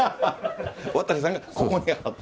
渡さんがここに貼って？